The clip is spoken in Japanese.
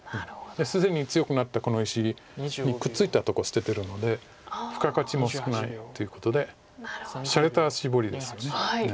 既に強くなったこの石にくっついたとこ捨ててるので付加価値も少ないということでしゃれたシボリですよね。